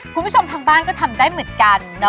คุณผู้ชมทางบ้านก็ทำได้เหมือนกัน